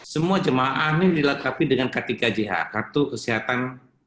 semua jemaah ini dilakapi dengan kartu kesehatan